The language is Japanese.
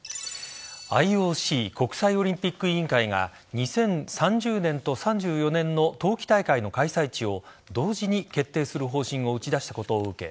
ＩＯＣ＝国際オリンピック委員会が２０３０年と３４年の冬季大会の開催地を同時に決定する方針を打ち出したことを受け